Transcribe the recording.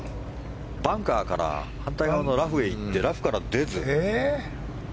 バンカーから反対側のラフに行ってラフから出ず。